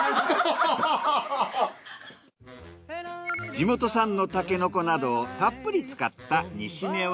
地元産のタケノコなどをたっぷり使った煮しめは。